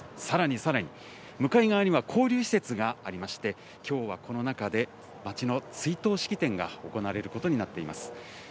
さらにさらに、向かい側には交流施設がありまして、きょうはこの中で、町の追悼式典が行われることになっています。